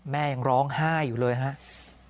ยังร้องไห้อยู่เลยครับ